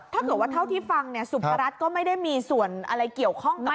ถ้าเกิดว่าเท่าที่ฟังเนี่ยสุภรรรดิก็ไม่ได้มีส่วนอะไรเกี่ยวข้องกับ